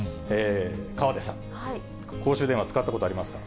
河出さん、公衆電話、使ったことありますか？